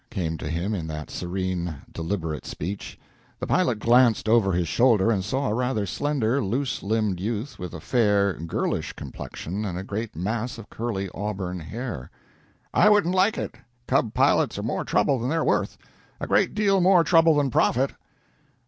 came to him in that serene, deliberate speech. The pilot glanced over his shoulder and saw a rather slender, loose limbed youth with a fair, girlish complexion and a great mass of curly auburn hair. "I wouldn't like it. Cub pilots are more trouble than they're worth. A great deal more trouble than profit."